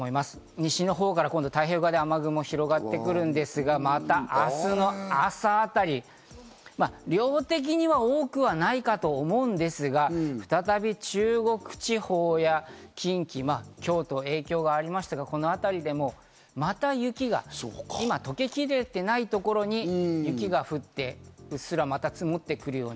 西の方から太平洋側で雨雲が広がってくるんですが、また明日の朝あたり、量的には多くはないかと思うんですが、再び中国地方や、近畿、京都など影響がありましたが、このあたりでまた雪が、今、溶けきれていないところに雪が降って、うっすらまた積もってくるような。